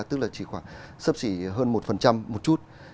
tức là chỉ khoảng sấp xỉ hơn một một chút